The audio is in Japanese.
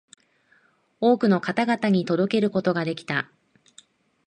多くの方々に届けることができた